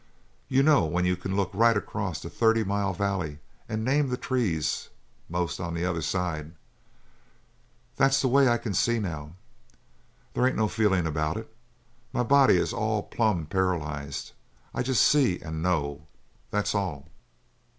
You know when you can look right across a thirty mile valley and name the trees, a'most the other side? That's the way I can see now. They ain't no feelin' about it. My body is all plumb paralyzed. I jest see and know that's all.